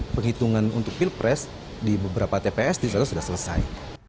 penghitungan untuk pilpres di beberapa tps disana sudah selesai